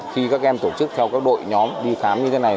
khi các em tổ chức theo các đội nhóm đi khám như thế này